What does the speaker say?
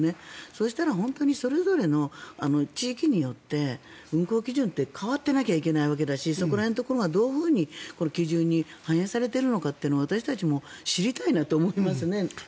そしたらそれぞれの地域によって運航基準って変わってなきゃいけないわけだしそこら辺のところがどういうふうに基準に反映されているのか私たちも知りたいなと思いますね。